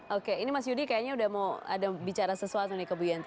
oke ini mas yudi kayaknya udah mau ada bicara sesuatu nih ke bu yanti